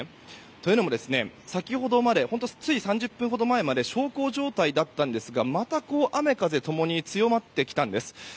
というのも先ほどまで本当につい３０分ほど前まで小康状態だったんですがまた雨風共に強まってきたんです。